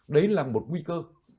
đấy là một nguy cơ